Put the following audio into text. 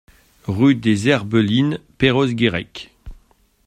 Rue des Herbelines, Perros-Guirec